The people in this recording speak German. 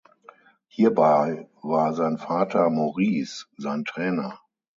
Hierbei war sein Vater Maurice sein Trainer.